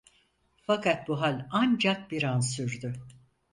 Fakat bu hal ancak bir an sürdü.